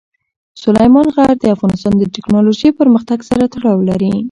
سلیمان غر د افغانستان د تکنالوژۍ پرمختګ سره تړاو لري.